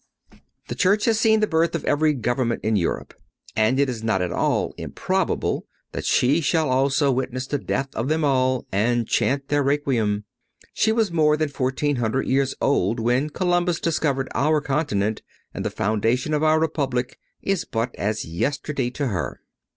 The Church has seen the birth of every government of Europe, and it is not at all improbable that she shall also witness the death of them all and chant their requiem. She was more than fourteen hundred years old when Columbus discovered our continent, and the foundation of our Republic is but as yesterday to her.